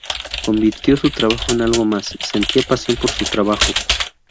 Convirtió su trabajo en algo más, sentía pasión por su trabajo.